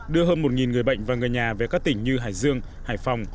đưa hơn một người bệnh và người nhà về các tỉnh như hải dương hải phòng